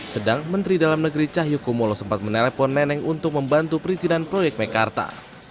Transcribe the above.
sedang menteri dalam negeri cahyukumolo sempat menelepon neneng untuk membantu perizinan proyek meikarta